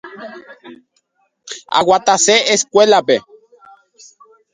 Aguatase escuelape.